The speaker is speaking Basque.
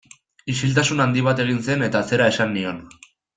Isiltasun handi bat egin zen eta zera esan nion.